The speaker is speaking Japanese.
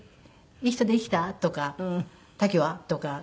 「いい人できた？」とか「タキは？」とか。